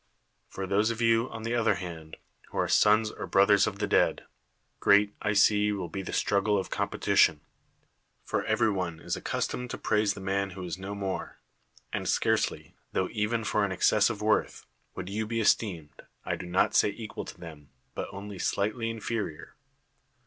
For those of you, on the other hand, who are sons or brothers of the dead, great, I see, will be the struggle of competition. For every one is accustomed to praise the man who is no more ; and scarcely, tho even for an excess of worth, would you be esteemed, I do not saj^ equal to them, but only slightly inferior.